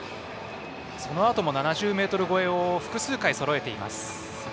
そのあとも、７０ｍ越えを複数回そろえています。